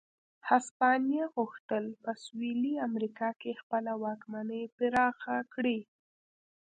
هسپانیا غوښتل په سوېلي امریکا کې خپله واکمني پراخه کړي.